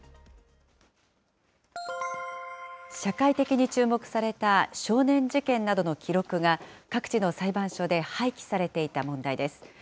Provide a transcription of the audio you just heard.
社会的に注目された少年事件などの記録が、各地の裁判所で廃棄されていた問題です。